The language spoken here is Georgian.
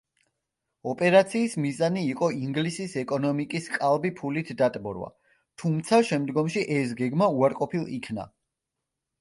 ოპერაციის მიზანი იყო ინგლისის ეკონომიკის ყალბი ფულით დატბორვა, თუმცა შემდგომში ეს გეგმა უარყოფილ იქნა.